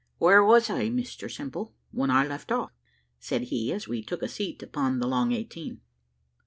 "Where was I, Mr Simple, when I left off?" said he, as we took a seat upon the long eighteen.